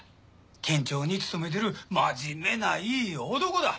県庁に勤めでるまじめないい男だ。